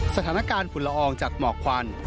สถานการณ์ฝุ่นละอองจากหมอกควัน